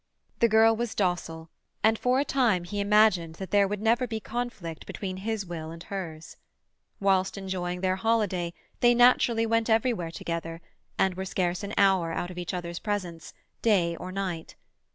The girl was docile, and for a time he imagined that there would never be conflict between his will and hers. Whilst enjoying their holiday they naturally went everywhere together, and were scarce an hour out of each other's presence, day or night.